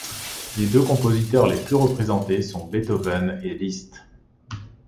Les deux compositeurs les plus représentés sont Beethoven et Liszt.